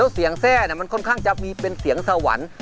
เสียงแทร่มันค่อนข้างจะมีเป็นเสียงสวรรค์